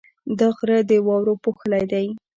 دا غره د واورو پوښلی دی.